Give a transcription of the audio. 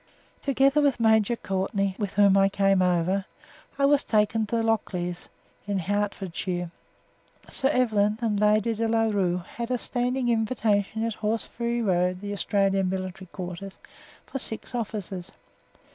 Together with Major Courtenay (with whom I came over) I was taken to Lockleys, in Hertfordshire. Sir Evelyn and Lady de La Rue had a standing invitation at Horseferry Road, the Australian Military Headquarters, for six officers.